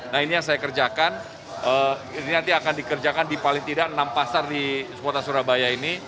nah ini yang saya kerjakan ini nanti akan dikerjakan di paling tidak enam pasar di kota surabaya ini